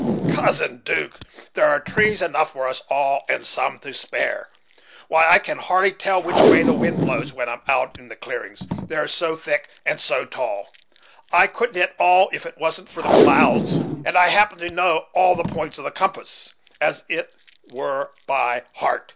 poh! Cousin 'Duke, there are trees enough for us all, and some to spare. Why, I can hardly tell which way the wind blows, when I'm out in the clearings, they are so thick and so tall; I couldn't at all, if it wasn't for the clouds, and I happen to know all the points of the compass, as it were, by heart."